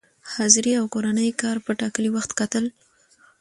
حاضري او کورني کار په ټاکلي وخت کتل،